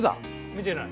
見てない。